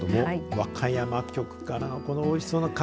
和歌山局からこのおいしそうな柿。